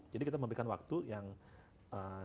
jadi kita memberikan waktu yang cukup lama